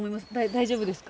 大丈夫ですか？